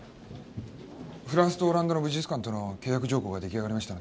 フランスとオランダの美術館との契約条項が出来上がりました。